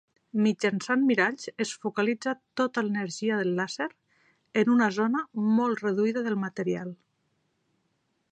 Mitjançant miralls es focalitza tota l'energia del làser en una zona molt reduïda del material.